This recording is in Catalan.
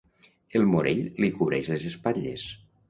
El Morell li cobreix les espatlles.